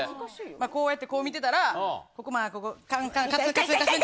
こうやってこう見てたらカンカンカツンカツン。